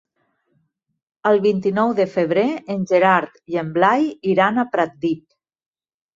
El vint-i-nou de febrer en Gerard i en Blai iran a Pratdip.